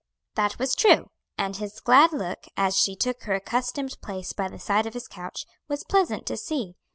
That was true, and his glad look, as she took her accustomed place by the side of his couch, was pleasant to see.